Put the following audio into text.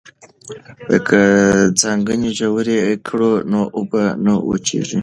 که څاګانې ژورې کړو نو اوبه نه وچېږي.